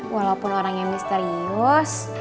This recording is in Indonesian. walaupun orangnya misterius